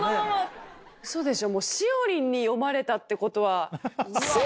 ウソでしょ。